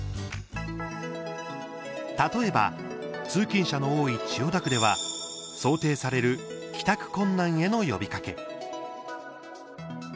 例えば通勤者の多い千代田区では想定される帰宅困難への呼びかけ。